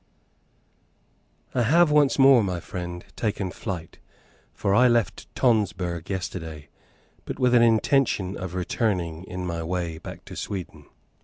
I have once more, my friend, taken flight, for I left Tonsberg yesterday, but with an intention of returning in my way back to Sweden.